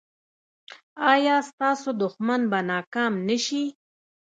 ایا ستاسو دښمن به ناکام نه شي؟